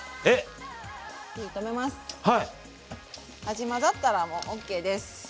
味混ざったらもうＯＫです。